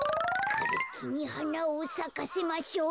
「かれきにはなをさかせましょう」。